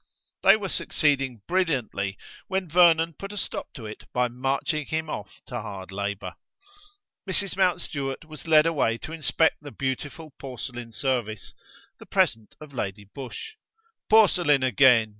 They were succeeding brilliantly when Vernon put a stop to it by marching him off to hard labour. Mrs. Mountstuart was led away to inspect the beautiful porcelain service, the present of Lady Busshe. "Porcelain again!"